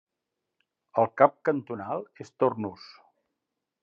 El cap cantonal és Tournus.